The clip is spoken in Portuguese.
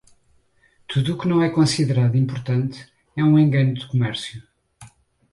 Tudo o que não é considerado importante é um engano de comércio.